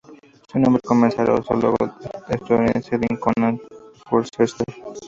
Su nombre conmemora al zoólogo estadounidense Dean Conant Worcester.